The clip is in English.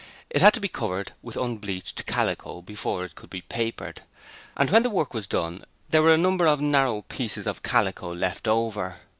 It had to be covered with unbleached calico before it could be papered and when the work was done there were a number of narrow pieces of calico left over.